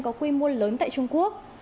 có quy mô lớn tại trung quốc